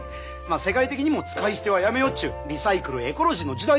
世界的にも使い捨てはやめようっちゅうリサイクルエコロジーの時代ですからな。